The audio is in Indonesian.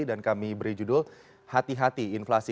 dan kami beri judul hati hati inflasi